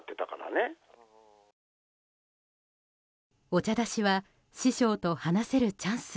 お茶出しは師匠と話せるチャンス。